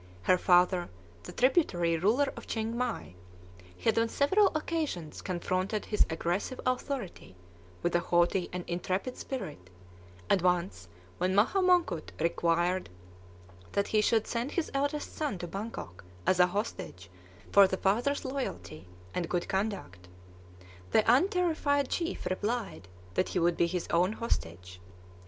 Her father, the tributary ruler of Chiengmai, had on several occasions confronted his aggressive authority with a haughty and intrepid spirit; and once, when Maha Mongkut required that he should send his eldest son to Bangkok as a hostage for the father's loyalty, and good conduct, the unterrified chief replied that he would be his own hostage.